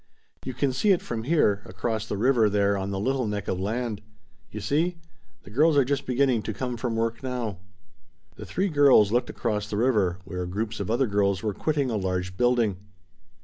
You can see it from here, across the river there on the little neck of land. You see? The girls are just beginning to come from work now." The three girls looked across the river, where groups of other girls were quitting a large building.